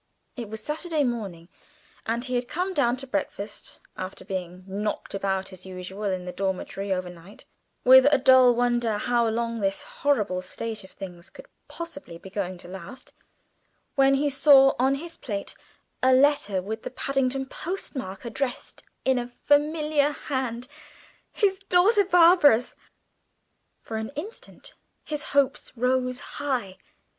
It was Saturday morning, and he had come down to breakfast, after being knocked about as usual in the dormitory over night, with a dull wonder how long this horrible state of things could possibly be going to last, when he saw on his plate a letter with the Paddington post mark, addressed in a familiar hand his daughter Barbara's. For an instant his hopes rose high.